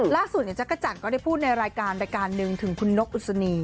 ล่าสุดจักรจันทร์ก็ได้พูดในรายการรายการหนึ่งถึงคุณนกอุศนี